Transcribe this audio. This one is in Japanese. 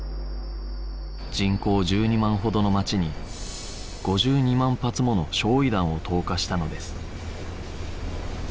人口１２万ほどの街に５２万発もの焼夷弾を投下したのです